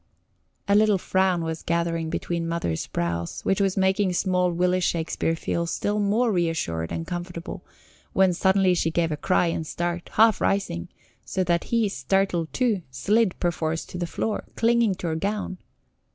A little frown was gathering between Mother's brows, which was making small Willy Shakespeare feel still more reassured and comfortable, when suddenly she gave a cry and start, half rising, so that he, startled too, slid perforce to the floor, clinging to her gown.